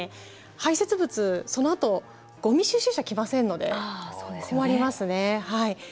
排泄物、そのあとごみ収集車が来ませんので困りますね。